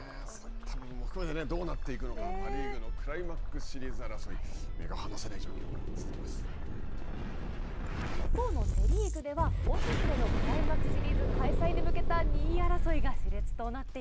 どうなっていくのか、パ・リーグのクライマックスシリーズ争い、一方のセ・リーグでは本拠地でのクライマックスシリーズ開催に向けた２位争いがしれつです。